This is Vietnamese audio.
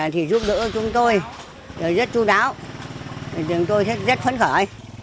thì giúp đỡ chúng tôi rất chú đáo chúng tôi rất phấn khởi